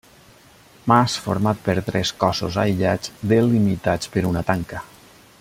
Mas format per tres cossos aïllats delimitats per una tanca.